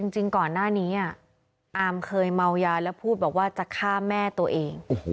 จริงก่อนหน้านี้อามเคยเมายาแล้วพูดบอกว่าจะฆ่าแม่ตัวเอง